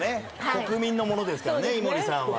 国民のものですから井森さんは。